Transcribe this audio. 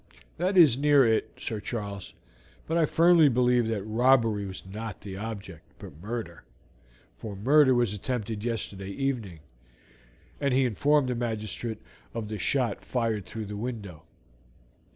"That is near it, Sir Charles, but I firmly believe that robbery was not the object, but murder; for murder was attempted yesterday evening," and he informed the magistrate of the shot fired through the window.